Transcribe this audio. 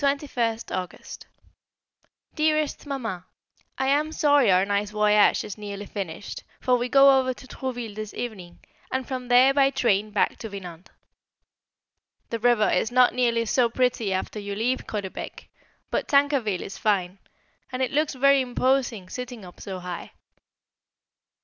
[Sidenote: Havre to Trouville] Dearest Mamma, I am sorry our nice voyage is nearly finished, for we go over to Trouville this evening, and from there by train back to Vinant. The river is not nearly so pretty after you leave Caudebec, but Tancarville is fine, and looks very imposing sitting up so high.